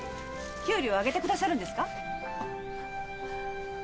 給料上げてくださるんですか？